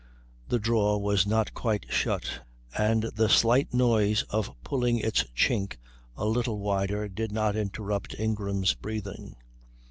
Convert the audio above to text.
The drawer was not quite shut, and the slight noise of pulling its chink a little wider did not interrupt Ingrain's breathing.